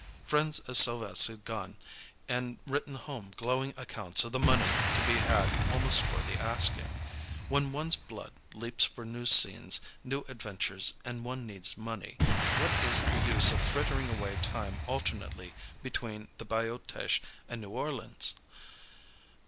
Friends of Sylves' had gone, and written home glowing accounts of the money to be had almost for the asking. When one's blood leaps for new scenes, new adventures, and one needs money, what is the use of frittering away time alternately between the Bayou Teche and New Orleans?